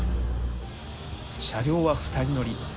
車両は２人乗り。